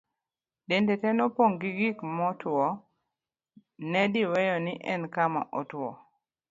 dende te nopong' gi gik motuwo nediweyo ni en kama otwo